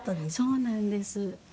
そうなんです。